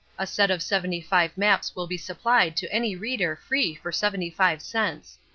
A set of seventy five maps will be supplied to any reader free for seventy five cents.